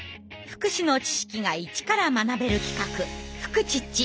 福祉の知識が一から学べる企画「フクチッチ」。